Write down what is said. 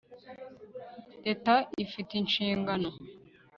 leta ifite inshingano